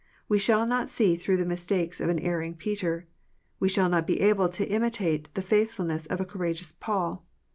We shall not see through the mistakes of an erring Peter. We shall not be able to imitate the faithful ness of a courageous Paul.